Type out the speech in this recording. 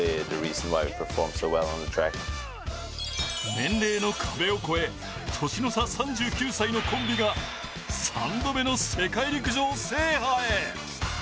年齢の壁を越え年の差３９歳のコンビが３度目の世界陸上制覇へ。